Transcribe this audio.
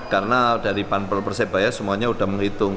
karena dari panpel persebaya semuanya sudah menghitung